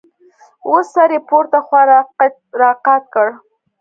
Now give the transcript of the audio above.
او سر يې پورته خوا راقات کړ.